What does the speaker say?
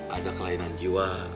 ada kelainan jiwa